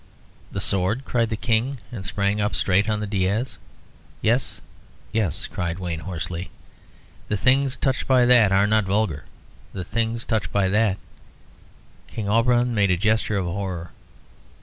"The sword!" cried the King; and sprang up straight on the daïs. "Yes, yes," cried Wayne, hoarsely. "The things touched by that are not vulgar; the things touched by that " King Auberon made a gesture of horror.